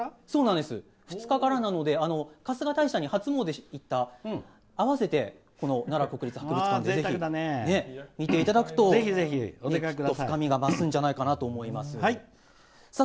２日からなので春日大社に初詣に行って合わせて奈良国立博物館で見ていただくときっと深みが増すんじゃないかなと思います。